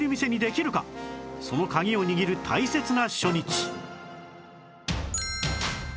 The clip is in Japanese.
その鍵を握る大切な初日